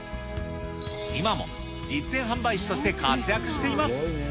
今も実演販売師として活躍しています。